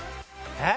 えっ？